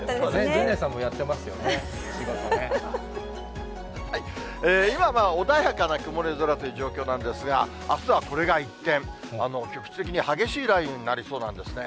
陣内さんもやってますよね、今は穏やかな曇り空という状況なんですが、あすはこれが一転、局地的に激しい雷雨になりそうなんですね。